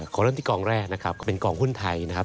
ขอเริ่มที่กองแรกนะครับก็เป็นกองหุ้นไทยนะครับ